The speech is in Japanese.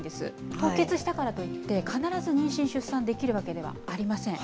凍結したからといって、必ず妊娠・出産できるわけではありません。